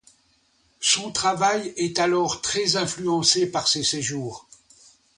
Son travail est alors très influencé par ces séjours.